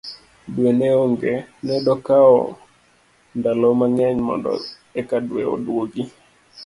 dwe ne onge, nedokawo ndalo mang'eny mondo eka dwe odwogi